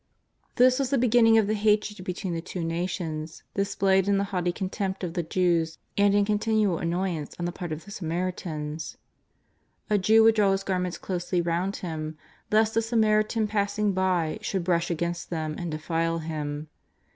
This was the beginning of the hatred between the two nations, dis played in the haughty contempt of the Jews and in con tinual annoyance on the part of the Samaritans. A Jew would draw his garments closely round him lest a Samaritan passing by should brush against them and defile him.